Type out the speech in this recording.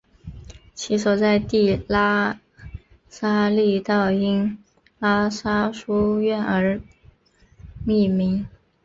其所在地喇沙利道因喇沙书院而命名。